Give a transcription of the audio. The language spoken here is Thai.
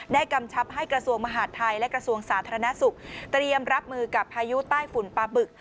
กำชับให้กระทรวงมหาดไทยและกระทรวงสาธารณสุขเตรียมรับมือกับพายุใต้ฝุ่นปลาบึก